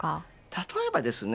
例えばですね